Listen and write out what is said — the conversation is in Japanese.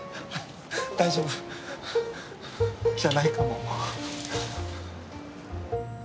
大丈夫じゃないかも。